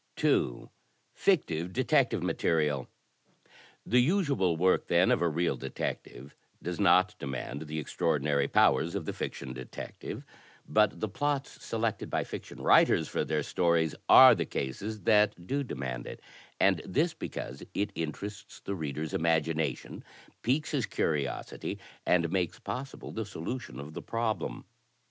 2. Fictive Detective Material The usual work, then, of a real detective does not demand the extraordinary powers of the fiction detective. But the plots selected by fiction writers for their stories are the cases that do demand it. And this, because it interests the reader's imagination, piques his curiosity and makes possible the solution of the problem.